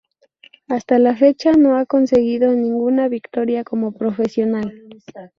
Hasta la fecha no ha conseguido ninguna victoria como profesional.